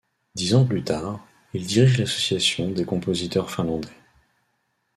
Dix ans plus tard, il dirige l’association des compositeurs finlandais.